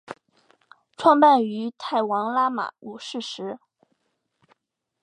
创办于泰王拉玛五世时。